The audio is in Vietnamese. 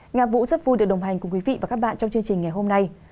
nga vũ rất vui được đồng hành cùng quý vị và các bạn trong chương trình ngày hôm nay